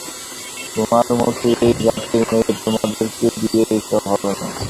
তোমার মতো এই জাতের মেয়ে, তোমাদেরকে দিয়ে এসব হবে না।